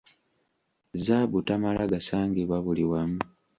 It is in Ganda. Zzaabu tamala gasangibwa buli wamu.